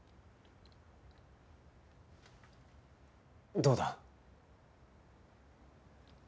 どうだ？